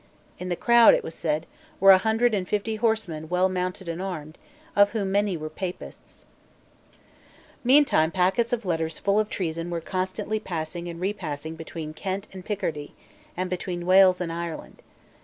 In the crowd, it was said, were a hundred and fifty horsemen well mounted and armed, of whom many were Papists, Meantime packets of letters full of treason were constantly passing and repassing between Kent and Picardy, and between Wales and Ireland.